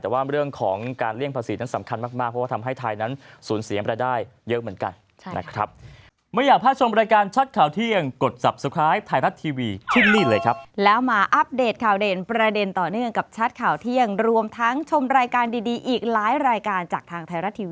แต่ว่าเรื่องของการเลี่ยงภาษีนั้นสำคัญมากเพราะว่าทำให้ไทยนั้นสูญเสียรายได้เยอะเหมือนกันนะครับ